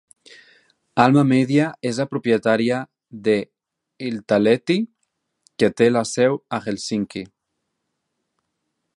Alma Media és la propietària de "Iltalehti", que té la seu a Helsinki.